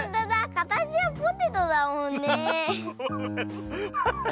かたちはポテトだもんねえ。